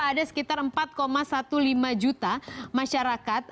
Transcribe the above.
ada sekitar empat lima belas juta masyarakat